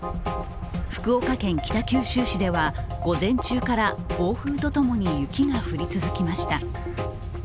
福岡県北九州市では、午前中から暴風とともに雪が降り続きました。